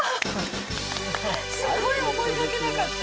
すごい思いがけなかった。